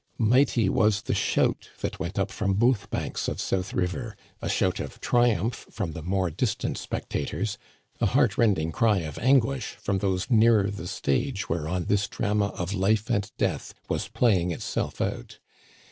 Mighty was the shout that went up from both banks of South River — a shout of triumph from the more dis tant spectators, a heart rending cry of anguish from those nearer the stage whereon this drama of life and "•O^ Digitized by VjOOQIC 72 THE CANADIANS OF OLD, death was playing itself out.